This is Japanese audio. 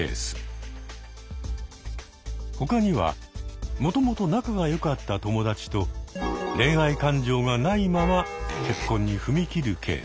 他にはもともと仲が良かった友達と恋愛感情がないまま結婚に踏み切るケース。